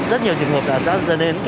rất nhiều trường hợp đã dẫn đến